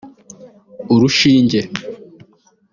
urushinge